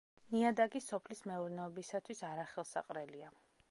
ნიადაგი სოფლის მეურნეობისათვის არახელსაყრელია.